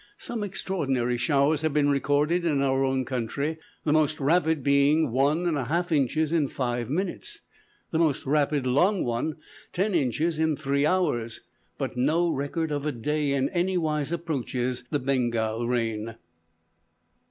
Some extraordinary showers have been recorded in our own country, the most rapid being one and one half inches in five minutes: the most rapid long one, ten inches in three hours; but no record of a day in anywise approaches the Bengal rain.